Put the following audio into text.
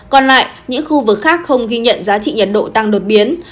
còn lại những khu vực khác không ghi nhận giá trị nhiệt độ tăng đột biến